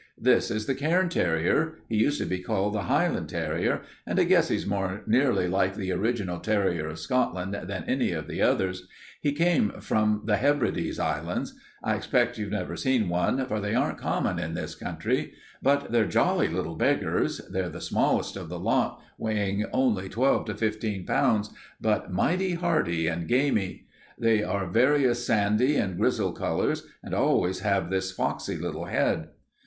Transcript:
This is the cairn terrier. He used to be called the Highland terrier, and I guess he's more nearly like the original terrier of Scotland than any of the others, He came from the Hebrides Islands. I expect you've never seen one, for they aren't common in this country. But they're jolly little beggars. They're the smallest of the lot, weighing only twelve to fifteen pounds, but mighty hardy and gamey. They are various sandy and grizzled colors and always have this foxy little head.